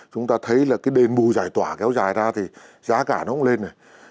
chúng ta thấy là cái đền bù giải tỏa kéo dài ra thì giá cả nó cũng lên này